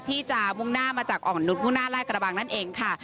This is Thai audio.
ที่จะมุ่งหน้ามาจากอ่อนนุษยมุ่งหน้าลาดกระบังนั่นเองค่ะ